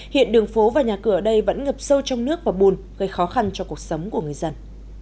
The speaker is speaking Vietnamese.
hiện đường phố và nhà cửa ở đây vẫn ngập sâu trong nước và bùn gây khó khăn cho cuộc sống của người dân